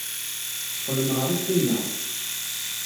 Qqlen ɣer ussuneɣ.